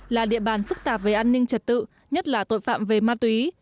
là địa bàn phức tạp về an ninh trật tự nhất là tội phạm về ma túy